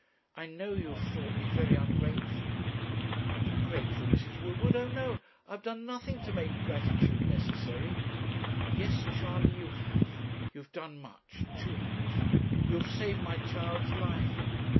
I know you have thought me very ungrateful.' 'Ungrateful, Mrs. Woodward! 'O no! I have done nothing to make gratitude necessary.' 'Yes, Charley, you have you have done much, too much. You have saved my child's life.'